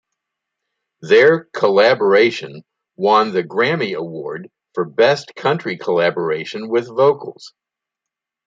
Their collaboration won the Grammy Award for Best Country Collaboration with Vocals.